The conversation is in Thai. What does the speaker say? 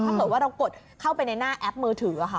ถ้าเกิดว่าเรากดเข้าไปในหน้าแอปมือถือค่ะ